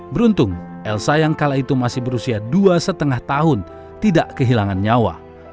beruntung elsa yang kala itu masih berusia dua lima tahun tidak kehilangan nyawa